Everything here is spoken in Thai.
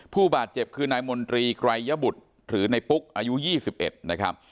ผู้บาดเจ็บคือนายมนตรีไกรยบุตรหรือในปุ๊กอายุ๒๑นะครับ